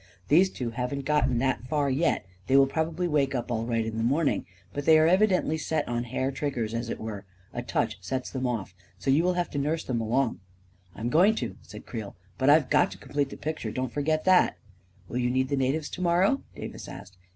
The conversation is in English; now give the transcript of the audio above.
These two haven't got that far yet — they will probably wake up all right in the morn ing; but they are evidently set on hair triggers, as it were. A touch sets them off. So you will have to nurse them along." 44 I'm going to," said Creel; 44 but I've got to com plete the picture — don't forget that." 44 Will you need the natives to morrow ?" Davis asked.